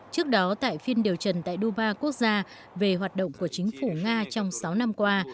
trước đó tại phiên điều trần tại duba quốc gia về hoạt động của chính phủ nga trong sáu năm qua